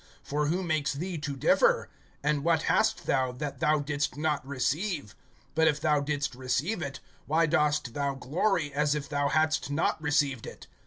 (7)For who makes thee to differ? And what hast thou, that thou didst not receive? But if thou didst receive it, why dost thou glory, as if thou hadst not received it?